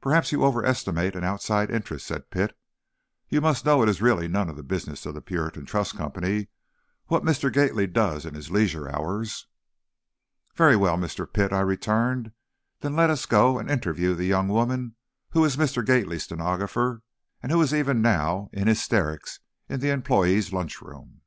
"Perhaps you overestimate an outside interest," said Pitt. "You must know it is really none of the business of the Puritan Trust Company what Mr. Gately does in his leisure hours." "Very well, Mr. Pitt," I returned, "then let us go and interview the young woman who is Mr. Gately's stenographer and who is even now in hysterics in the employees' lunchroom."